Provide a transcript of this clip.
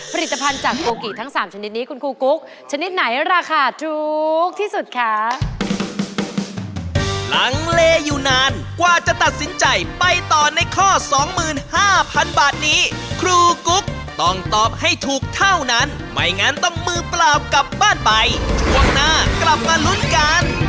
ผลิตภัณฑ์จากโกกิทั้ง๓ชนิดนี้คุณครูกุ๊กชนิดไหนราคาถูกที่สุดคะ